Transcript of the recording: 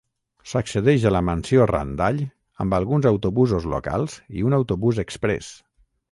S'accedeix a la mansió Randall amb alguns autobusos locals i un autobús exprés.